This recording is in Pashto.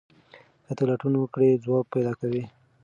که ته لټون وکړې ځواب پیدا کوې.